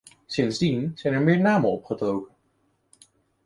Sindsdien zijn er meer namen opgedoken.